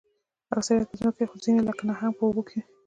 اکثریت یې په ځمکه دي خو ځینې لکه نهنګ په اوبو کې وي